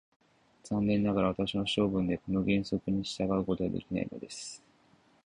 残念ながら、私は性分でこの原則に従うことができないのです。ごらんのように、他国者のあなたにも、すべて打ち明けてしゃべってしまいます。